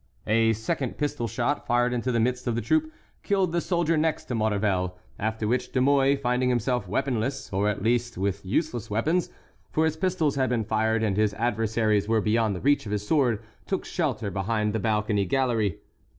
A second pistol shot, fired into the midst of the troop, killed the soldier next to Maurevel; after which De Mouy, finding himself weaponless, or at least with useless weapons, for his pistols had been fired and his adversaries were beyond the reach of his sword, took shelter behind the balcony gallery.